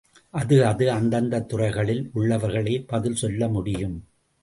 அது அது அந்தந்தத் துறைகளில் உள்ளவர்களே பதில் சொல்ல முடியும்.